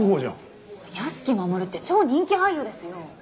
屋敷マモルって超人気俳優ですよ！